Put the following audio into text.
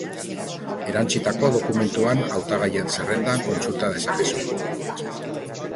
Erantsitako dokumentuan hautagaien zerrenda kontsulta dezakezu.